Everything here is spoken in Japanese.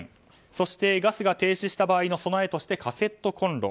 そしてガスが停止した場合に備えカセットコンロ。